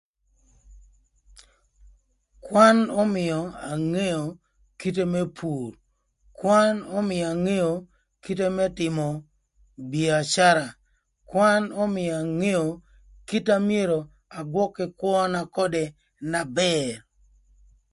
Kwan ömïö angeo kite më pur, kwan ömïö angeo kite më tïmö bïacara, kwan ömïa angeo kite amyero agwök kï kwöna ködë na bër.